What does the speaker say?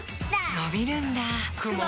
のびるんだ